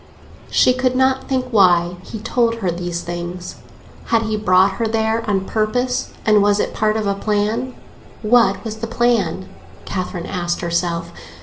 She could not think why he told her these things. Had he brought her there on purpose, and was it part of a plan? What was the plan? Catherine asked herself.